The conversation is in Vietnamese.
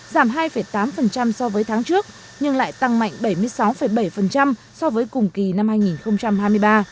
giảm hai tám so với tháng trước nhưng lại tăng mạnh bảy mươi sáu bảy so với cùng kỳ năm hai nghìn hai mươi ba